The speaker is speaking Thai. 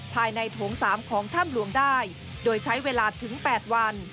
ภายในโถง๓ของถ้ำหลวงได้โดยใช้เวลาถึง๘วัน